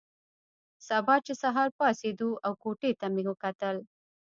سبا چې سهار پاڅېدو او کوټې ته مې وکتل.